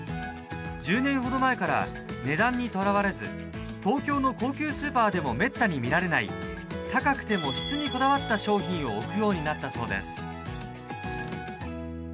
１０年ほど前から値段にとらわれず東京の高級スーパーでもめったに見られない高くても質にこだわった商品を置くようになったそうです。